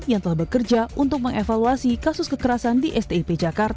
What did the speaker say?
yang telah bekerja untuk mengevaluasi kasus kekerasan di stip jakarta